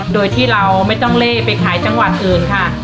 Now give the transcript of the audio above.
โดยที่เราไม่ต้องเล่ไปขายจังหวัดอื่นค่ะ